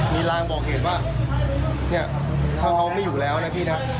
มีรางบอกเหตุว่าเนี่ยถ้าเขาไม่อยู่แล้วนะพี่นะ